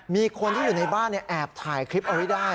มีคนที่อยู่ในบ้านแอบถ่ายคลิปเอาไว้ได้